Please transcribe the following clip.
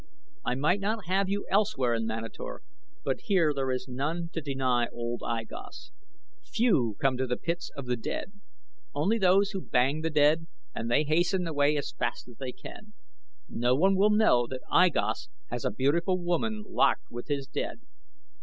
I might not have you elsewhere in Manator, but here there is none to deny old I Gos. Few come to the pits of the dead only those who bring the dead and they hasten away as fast as they can. No one will know that I Gos has a beautiful woman locked with his dead.